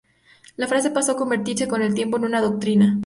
La frase pasó a convertirse con el tiempo en una doctrina.